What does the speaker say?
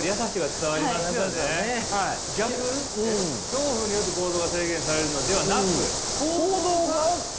恐怖によって行動が制限されるのではなく。